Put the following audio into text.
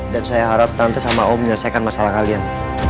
dan saya harap nanti sama om menyelesaikan masalah kalian